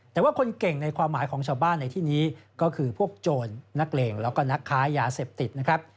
แต่ว่าคนเก่งในความหมายของชาวบ้านในที่นี้ก็คือพวกโจรนักเลงแล้วก็นักค้ายาเสพติดนะครับ